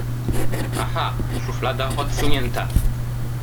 Aha, szuflada odsunięta.